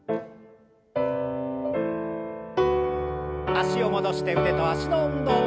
脚を戻して腕と脚の運動。